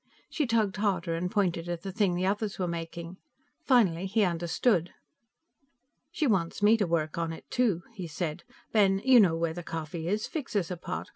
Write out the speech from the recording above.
She tugged harder and pointed at the thing the others were making. Finally, he understood. "She wants me to work on it, too," he said. "Ben, you know where the coffee is; fix us a pot.